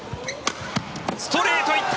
ストレート、行った！